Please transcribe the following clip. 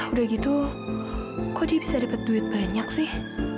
udah gitu kok dia bisa dapat duit banyak sih